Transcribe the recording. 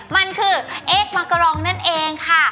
มันคือเอกบาวนิลาไอศกรีมนั่นเองค่ะ